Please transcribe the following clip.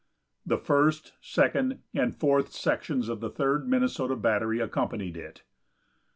The first, second and fourth sections of the Third Minnesota battery accompanied it.